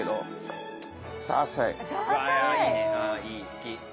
好き。